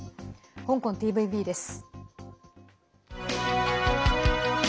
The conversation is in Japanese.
香港ＴＶＢです。